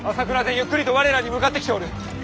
ゆっくりと我らに向かってきておる。